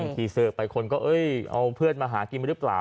ขี่เสิร์ฟไปคนก็เอ้ยเอาเพื่อนมาหากินหรือเปล่า